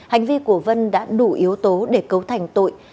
hành vi của vân đã đủ yếu tố để cấu thành tội